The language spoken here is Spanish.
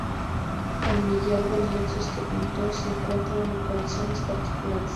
El millar de lienzos que pinto se encuentran en colecciones particulares.